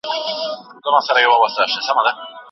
پښتو ژبه په نړیوالو معیارونو برابره کړئ.